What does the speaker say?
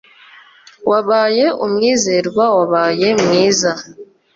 wabaye umwizerwa, wabaye mwiza